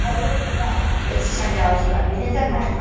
镇东桥的历史年代为清。